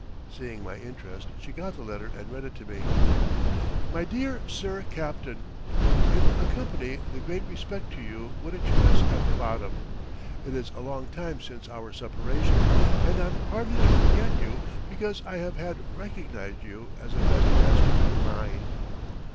Seeing my interest, she got the letter and read it to me: "My Dear Sir Capt.: "In accompany the great respect to you would express at the bottom. It is a long time since our separation and I'm hardly to forget you because I have had recognized you as a best master of maine.